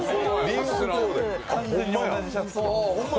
完全に同じシャツで。